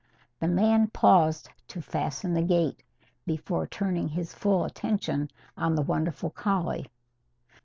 The man paused to fasten the gate before turning his full attention on the wonderful collie.